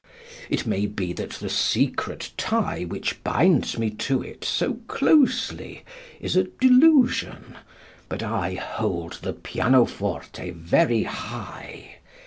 It may be that the secret tie which binds me to it so closely is a delusion, but I hold the pianoforte very high.